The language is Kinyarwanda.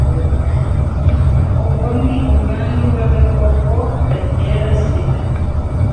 ubwo ni ubwandu bw'agakoko gatera sida